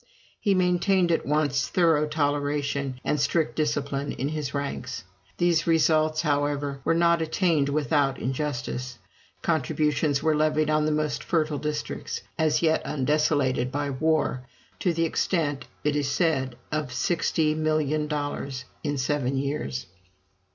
He maintained at once thorough toleration, and strict discipline in his ranks. These results, however, were not attained without injustice. Contributions were levied on the most fertile districts, as yet undesolated by war, to the extent, as it is said, of $60,000,000 in seven years.